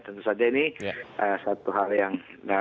tentu saja ini satu hal yang